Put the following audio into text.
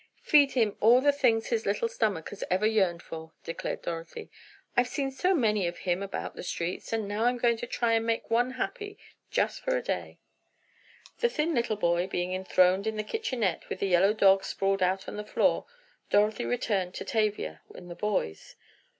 "Feed him all the things his little stomach has ever yearned for," declared Dorothy. "I've seen so many of him about the streets, and now I'm going to try and make one happy, for just a day!" The little thin boy being enthroned in the kitchenette with the yellow dog sprawled out on the floor, Dorothy returned to Tavia and the boys.